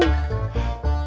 sampai jumpa lagi